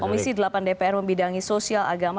komisi delapan dpr membidangi sosial agama